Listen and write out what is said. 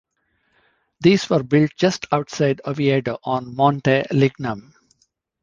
These were built just outside Oviedo, on Monte Lignum.